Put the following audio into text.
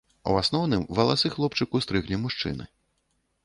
У асноўным валасы хлопчыку стрыглі мужчыны.